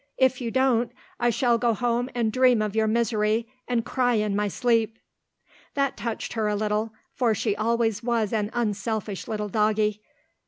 If you don't, I shall go home and dream of your misery, and cry in my sleep." That touched her a little, for she always was an unselfish little doggie.